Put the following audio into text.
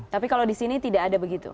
tapi kalau di sini tidak ada begitu